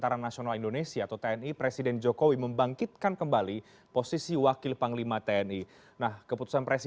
tentang susunan organisasi tni